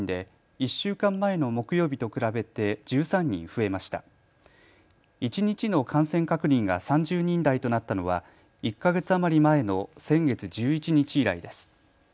一日の感染確認が３０人台となったのは１か月余り前の先月１１日以来です。